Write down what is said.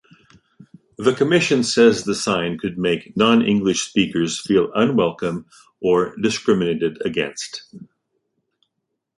The commission says the sign could make non-English speakers feel unwelcome or discriminated against.